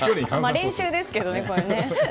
練習ですけどね、これは。